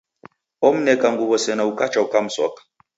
Omneka nguw'o sena ukacha ukamsoka.